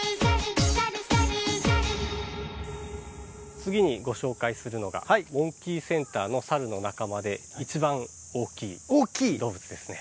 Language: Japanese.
次にご紹介するのがモンキーセンターのサルの仲間で一番大きい動物ですね。